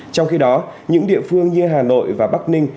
trong khi đó những địa phương như hà nội và bắc ninh